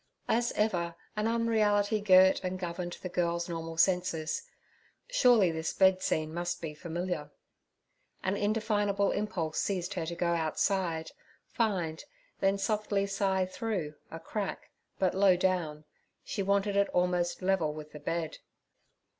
As ever an unreality girt and governed the girl's normal senses—surely this bed scene must be familiar, An indefinable impulse seized her to go outside, find, then softly sigh through, a crack, but low down—she wanted it almost level with the bed.